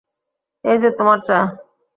এই যে তোমার চা।